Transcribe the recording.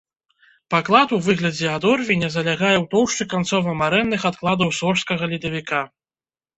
Паклад у выглядзе адорвеня залягае ў тоўшчы канцова-марэнных адкладаў сожскага ледавіка.